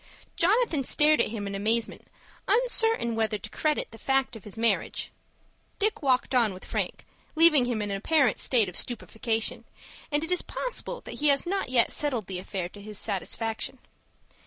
Jonathan stared at him in amazement, uncertain whether to credit the fact of his marriage. Dick walked on with Frank, leaving him in an apparent state of stupefaction, and it is possible that he has not yet settled the affair to his satisfaction.